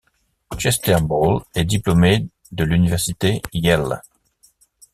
Chester Bowles est diplômé de l'université Yale.